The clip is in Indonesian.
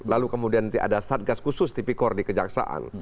lalu kemudian ada satgas khusus tipikor di kejaksaan